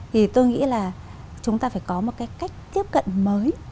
thì tôi nghĩ là chúng ta phải có một cái cách tiếp cận mới